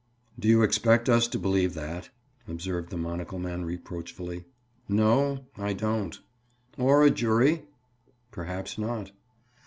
"Do you expect us to believe that?" observed the monocle man reproachfully. "No, I don't." "Or a jury?" "Perhaps not."